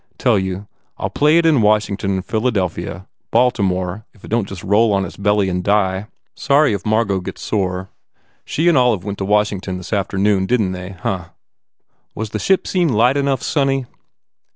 Tell you, I ll play it in Washington and Philadelphia. Baltimore, if it don t just roll on its belly and die. 223 THE FAIR REWARDS Sorry if Margot gets sore. She and Olive went to Washington s afternoon, didn t they, huh? Was the ship scene light enough, sonny